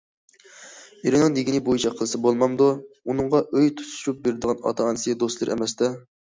ئېرىنىڭ دېگىنى بويىچە قىلسا بولمامدۇ؟ ئۇنىڭغا ئۆي تۇتۇشۇپ بېرىدىغىنى ئاتا- ئانىسى، دوستلىرى ئەمەستە!